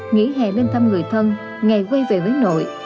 nghỉ hè lên thăm người thân ngày quay về với nội